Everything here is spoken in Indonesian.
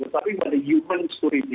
tapi pada human security